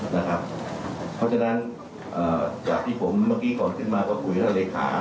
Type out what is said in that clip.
เพราะฉะนั้นจากที่ผมเมื่อกี้ก่อนขึ้นมาก็คุยกับเลขา